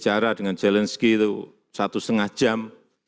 saya bertemu dengan jelensky selama satu setengah jam